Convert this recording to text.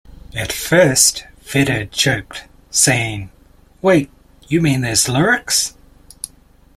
At first, Vedder joked, saying, Wait...you mean there's lyrics?